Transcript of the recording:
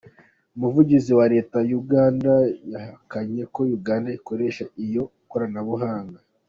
Umuvugizi wa leta ya Uganda yahakanye ko Uganda ikoresha iryo koranabuhanga.